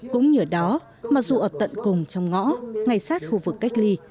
cũng nhờ đó mặc dù ở tận cùng trong ngõ ngay sát khu vực cách ly